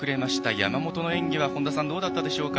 山本の演技はどうだったでしょうか？